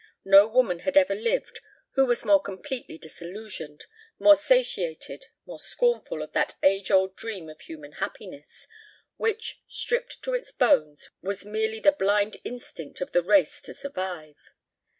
No woman had ever lived who was more completely disillusioned, more satiated, more scornful of that age old dream of human happiness, which, stripped to its bones, was merely the blind instinct of the race to survive.